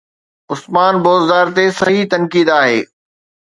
عثمان بوزدار تي صحيح تنقيد آهي.